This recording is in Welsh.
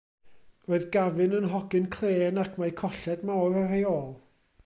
Roedd Gavin yn hogyn clên ac mae colled mawr ar ei ôl.